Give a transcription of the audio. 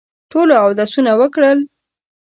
ټولو اودسونه وکړل.